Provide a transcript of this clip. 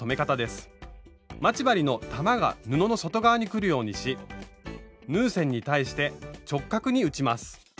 待ち針の玉が布の外側にくるようにし縫う線に対して直角に打ちます。